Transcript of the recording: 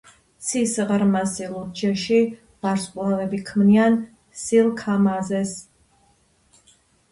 ცის ღრმა სილურჯეში ვარსკვლავები ქმნიან სილქამაზეს.